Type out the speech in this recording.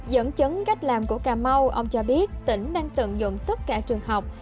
dẫn chứng cách làm của cà mau ông cho biết tỉnh đang tận dụng tất cả trường học